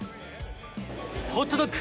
ホットドッグ。